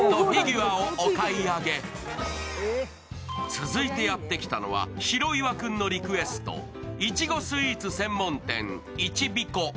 続いてやってきたのは白岩君のリクエストいちごスイーツ専門店・いちびこ。